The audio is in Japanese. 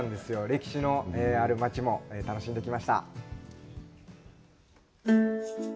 歴史のある町も楽しんできました。